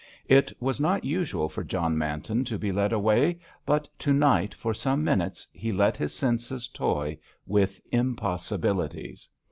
It was not usual for John Manton to be led away, but to night, for some minutes, he let his senses toy with impossibilities.